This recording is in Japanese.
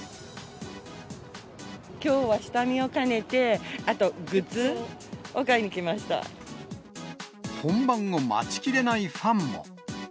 きょうは下見を兼ねて、あと、本番を待ちきれないファンも。